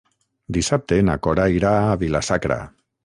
Dissabte na Cora irà a Vila-sacra.